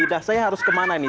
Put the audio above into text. idah saya harus kemana nih